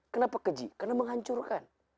kenapa keji karena menghancurkan